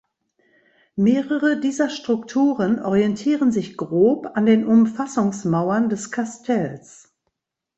Mehrere dieser Strukturen orientieren sich grob an den Umfassungsmauern des Kastells.